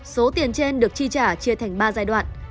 số tiền trên được chi trả chia thành ba giai đoạn